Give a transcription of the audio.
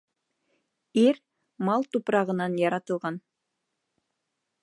Ир мал тупрағынан яратылған.